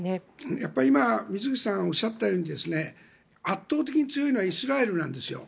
やっぱり今水口さんがおっしゃったように圧倒的に強いのはイスラエルなんです。